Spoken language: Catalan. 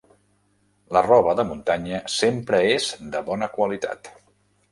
La roba de muntanya sempre és de bona qualitat.